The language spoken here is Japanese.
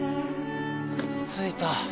着いた。